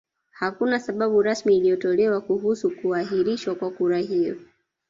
Hakuna sababu rasmi iliyotolewa kuhusu kuahirishwa kwa kura hiyo